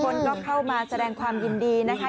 คนก็เข้ามาแสดงความยินดีนะคะ